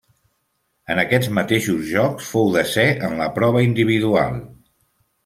En aquests mateixos Jocs fou desè en la prova individual.